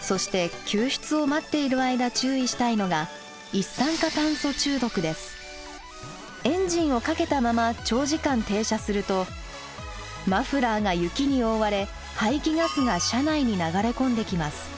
そして救出を待っている間注意したいのがエンジンをかけたまま長時間停車するとマフラーが雪に覆われ排気ガスが車内に流れ込んできます。